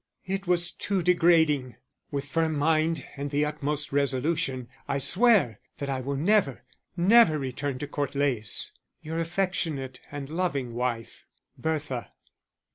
It was too degrading. With firm mind and the utmost resolution I swear that I will never, never return to Court Leys. Your affectionate and loving wife,_ _BERTHA.